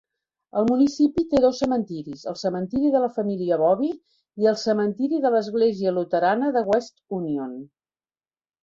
El municipi té dos cementiris: el cementiri de la família Bovy i el cementiri de l'església luterana de West Union.